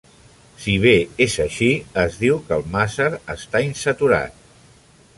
Si bé és així, es diu que el màser està "insaturat".